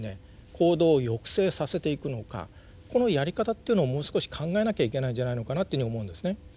行動を抑制させていくのかこのやり方っていうのをもう少し考えなきゃいけないんじゃないのかなというふうに思うんですね。